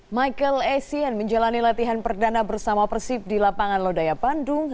michael essien menjalani latihan perdana bersama persib di lapangan lodaya bandung